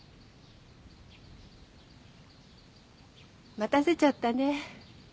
待たせちゃったね。